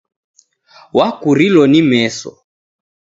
Wakurilo ni meso!